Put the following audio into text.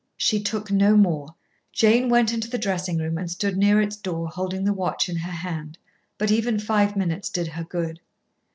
She took no more, Jane went into the dressing room and stood near its door, holding the watch in her hand, but even five minutes did her good.